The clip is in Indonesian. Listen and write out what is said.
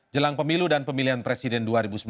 jelang pemilu dan pemilihan presiden dua ribu sembilan belas